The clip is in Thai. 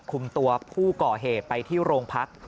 คุมตัวผู้ก่อเหตุไปที่โรงพัก